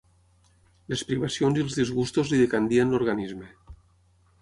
Les privacions i els disgustos li decandien l'organisme.